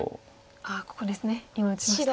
ああここですね今打ちました。